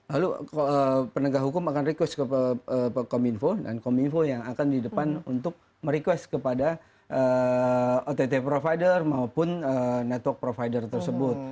lalu penegak hukum akan request ke kominfo dan kominfo yang akan di depan untuk merequest kepada ott provider maupun network provider tersebut